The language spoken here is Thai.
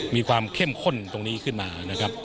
มีความเข้มข้นตรงนี้ขึ้นมานะครับ